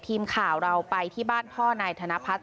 ทีมข่าวเราไปที่บ้านพ่อนายธนพัฒน